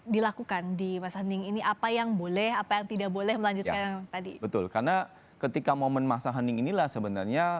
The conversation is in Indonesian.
dilakukan di masanding ini apa yang boleh apa yang tidak boleh melanjutkan tadi betul karena ketika momen masa hening inilah sebenarnya